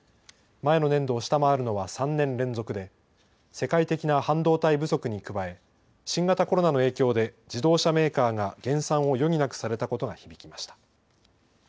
前の年度を下回るのは３年連続で世界的な半導体不足に加え新型コロナの影響で自動車メーカーが減産を余儀なくされたことが響きました。